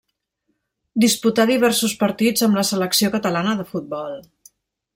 Disputà diversos partits amb la selecció catalana de futbol.